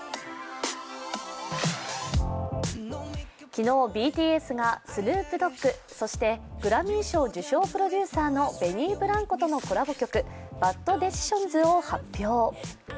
昨日、ＢＴＳがスヌーブ・ドッグ、そしてグラミー賞受賞プロデューサーのベニー・ブランコとのコラボ曲「ＢａｄＤｅｃｉｓｉｏｎｓ」を発表。